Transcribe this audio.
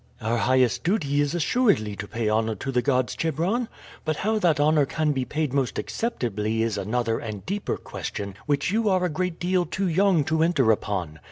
"Our highest duty is assuredly to pay honor to the gods, Chebron; but how that honor can be paid most acceptably is another and deeper question which you are a great deal too young to enter upon.